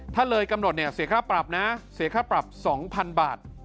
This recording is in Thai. ถ้าเลยกำหนดเนี่ยเสียค่าปรับนะเสียค่าปรับ๒๐๐๐บาท